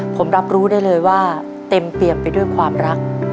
ผมรับรู้ได้เลยว่าเต็มเปี่ยมไปด้วยความรัก